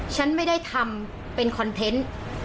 ฉันไม่ได้ทำเป็นคอนเทนต์